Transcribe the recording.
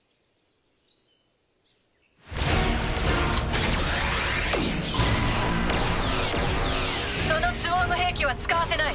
プツッそのスウォーム兵器は使わせない。